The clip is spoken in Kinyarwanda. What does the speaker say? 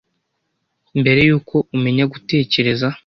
Mbere yuko umenya gutekereza